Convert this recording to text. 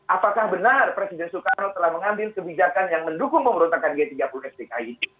apakah benar presiden soekarno telah mengambil kebijakan yang mendukung pemberontakan g tiga puluh spki